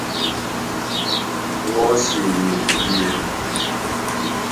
Wɔ́si ni e dibíɛ́.